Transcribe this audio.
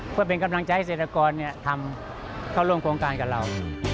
เพื่อเป็นกำลังใจให้เศรษฐกรทำเข้าร่วมโครงการกับเรา